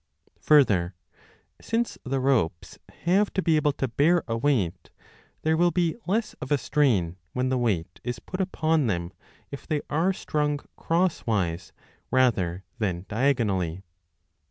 Further, since the ropes have to be able to bear a weight, there will be less of a strain when 10 the weight is put upon them if they are strung crosswise rather than diagonally.